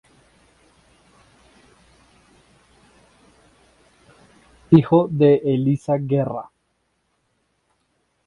Hijo de Elisa Guerra.